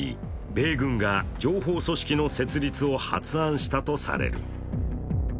米軍が情報組織の設立を発案したとされる。